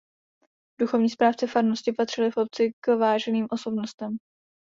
Duchovní správci farnosti patřili v obci k váženým osobnostem.